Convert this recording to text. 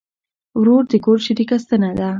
ورور د کور شریکه ستنه ده.